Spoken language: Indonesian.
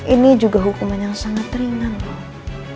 ini juga hukuman yang sangat ringan dengan apa yang udah kamu lakuin kembali ya